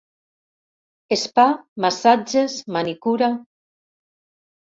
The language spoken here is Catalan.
Spa, massatges, manicura...